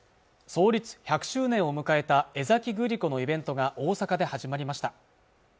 創立１００周年を迎えた江崎グリコのイベントが大阪で始まりました